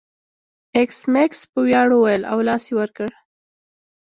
ایس میکس په ویاړ وویل او لاس یې ور کړ